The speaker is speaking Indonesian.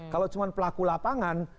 kalau cuma pelaku lapangan